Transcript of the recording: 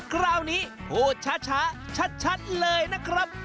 คราวนี้พูดช้าชัดเลยนะครับ